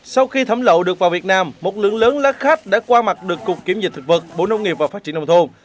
sau khi thẩm lộ được vào việt nam một lượng lớn lá khát đã qua mặt được cục kiểm dịch thực vật bộ nông nghiệp và phát triển nông thôn